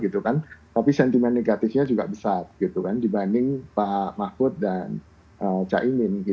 tapi sentimen negatifnya juga besar dibanding pak mahfud dan caimin